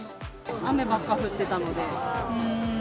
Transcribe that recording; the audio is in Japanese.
雨ばっかり降ってたので。